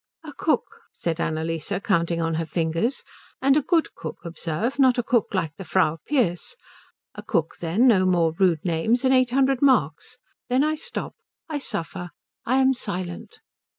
"A cook," said Annalise counting on her fingers, "and a good cook, observe not a cook like the Frau Pearce a cook, then, no more rude names, and eight hundred marks. Then I stop. I suffer. I am silent."